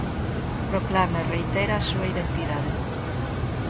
Proclama e reitera a súa identidade.